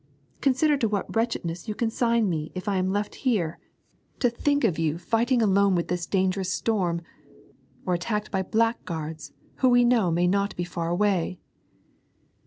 Consider to what wretchedness you consign me if I am left here to think of you fighting alone with this dangerous storm, or attacked by blackguards who we know may not be far away!'